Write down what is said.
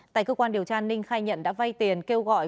tại cơ quan điều tra ninh khai nhận đã vay tiền kêu gọi